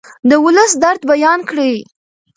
د ولس درد بیان کړئ.